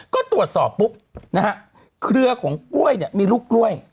ก็ตรวจสอบปุ๊บเครือของกล้วยมีลูกกล้วย